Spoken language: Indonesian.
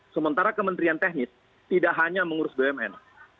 sementara kementerian teknis tidak hanya mengurus bumn